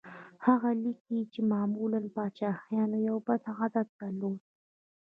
هغه لیکي چې د مغولو پاچاهانو یو بد عادت درلود.